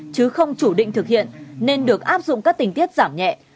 chứ không chủ định thực hiện nên được áp dụng các tình tiết giảm nhẹ